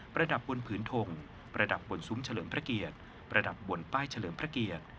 ระดับบนผืนทงประดับบนซุ้มเฉลิมพระเกียรติประดับบนป้ายเฉลิมพระเกียรติ